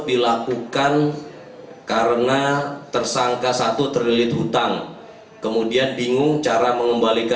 dilakukan karena tersangka satu terlilit hutang kemudian bingung cara mengembalikan